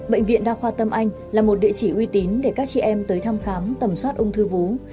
bệnh viện đa khoa tâm anh là một địa chỉ uy tín để các chị em tới thăm khám tầm soát ung thư vú